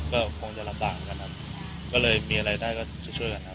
ก็คงจะลำบากเหมือนกันครับก็เลยมีอะไรได้ก็จะช่วยกันครับ